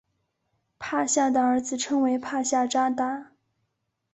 帕夏的儿子称为帕夏札达。